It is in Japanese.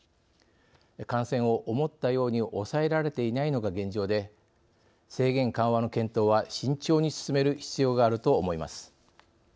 感染を思ったように抑えられていないのが現状で制限緩和の検討は慎重に進める必要があると思います。